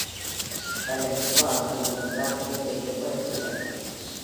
பல நிர்வாகங்கள் இந்த பிராந்தியத்தை நிர்வகித்துள்ளன.